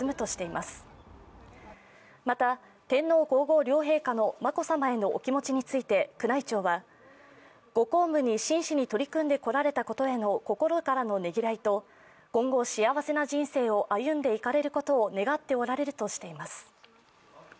また、天皇・皇后両陛下の眞子さまへのお気持ちについて宮内庁はご公務に真摯に取り組んでこられたことへの心からのねぎらいと今後、幸せな人生を歩んでいかれることを願っておられるとしています。